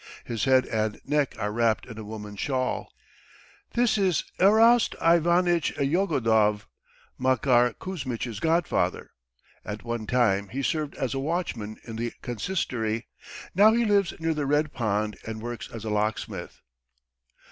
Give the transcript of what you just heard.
His head and neck are wrapped in a woman's shawl. This is Erast Ivanitch Yagodov, Makar Kuzmitch's godfather. At one time he served as a watchman in the Consistory, now he lives near the Red Pond and works as a locksmith.